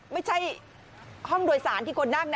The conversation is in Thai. ไม่ใช่ห้องโดยสารที่คนนั่ง